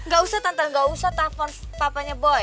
gak usah tante gak usah telepon papanya boy